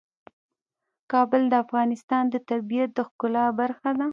کابل د افغانستان د طبیعت د ښکلا برخه ده.